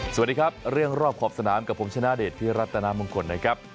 สวัสดีครับเรื่องรอบขอบสนามกับผมชนะเดชพิรัตนามงคลนะครับ